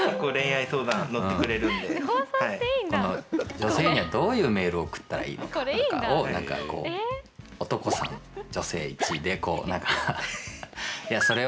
女性にはどういうメール送ったらいいのかとかをなんかこう、男３、女性１でこうなんか、いやそれは違います。